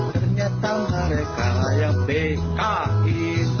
ternyata mereka layak bki